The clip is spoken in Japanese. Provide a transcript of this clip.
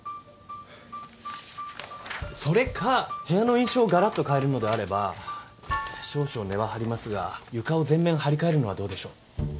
それか部屋の印象をがらっと変えるのであれば少々値は張りますが床を全面張り替えるのはどうでしょう？